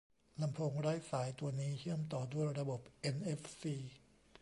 ลำโพงไร้สายตัวนี้เชื่อมต่อด้วยระบบเอ็นเอฟซี